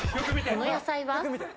この野菜は？